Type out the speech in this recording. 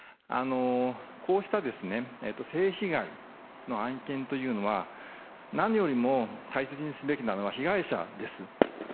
こうした性被害の案件というのは、何よりも大切にすべきなのは被害者です。